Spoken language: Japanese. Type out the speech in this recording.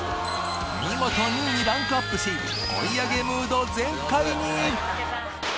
見事２位にランクアップし追い上げムード全開に！